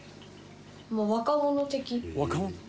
もう若者的？